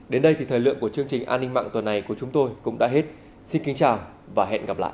đến đây thì thời lượng của chương trình an ninh mạng tuần này của chúng tôi cũng đã hết xin kính chào và hẹn gặp lại